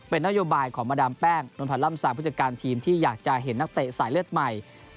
เป็นนโยบายของมาดามแป้งนวลพันธ์ล่ำซางผู้จัดการทีมที่อยากจะเห็นนักเตะสายเลือดใหม่